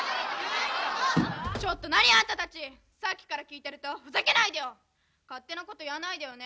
ちょっと何よあんた達さっきから聞いてるとふざけないでよ勝手なこと言わないでよね